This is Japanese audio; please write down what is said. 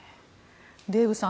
デーブさん